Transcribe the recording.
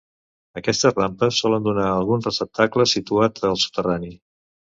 Aquestes rampes solen donar a algun gran receptacle situat al soterrani.